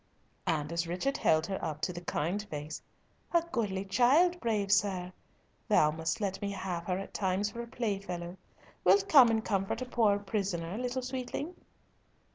and as Richard held her up to the kind face, "A goodly child, brave sir. Thou must let me have her at times for a playfellow. Wilt come and comfort a poor prisoner, little sweeting?"